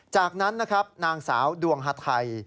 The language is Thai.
จากนั้นนางสาวดวงฮะไทย